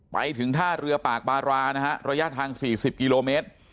ไปถึงท่าเรือปากบารานะฮะระยะทาง๔๐กิโลเมตร